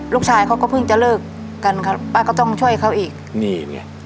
ลูกชายเขาก็เพิ่งจะเลิกกันครับป้าก็ต้องช่วยเขาอีกนี่ไง